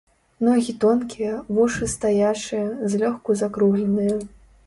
Ногі тонкія, вушы стаячыя, злёгку закругленыя.